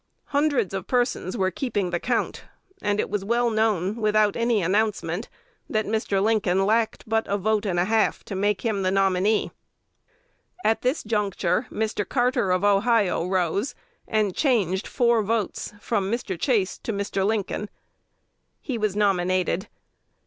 Hundreds of persons were keeping the count; and it was well known, without any announcement, that Mr. Lincoln lacked but a vote and a half to make him the nominee. At this juncture, Mr. Cartter of Ohio rose, and changed four votes from Mr. Chase to Mr. Lincoln. He was nominated.